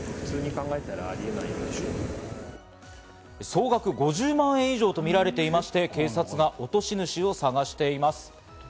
総額５０万円以上とみられていまして、警察が落とし主を探しています。